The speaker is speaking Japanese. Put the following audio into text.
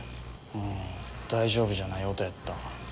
うん大丈夫じゃない音やった。